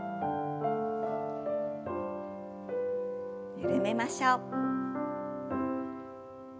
緩めましょう。